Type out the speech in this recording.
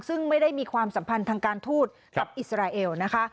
ซึ่งไม่ได้มีความสัมพันธ์ทางการทูตกับอิสราเอลนะคะ